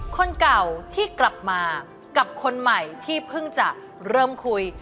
คนเก่าที่กลับมากับคนใหม่ที่เพิ่งจะเริ่มคุย